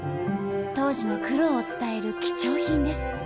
当時の苦労を伝える貴重品です。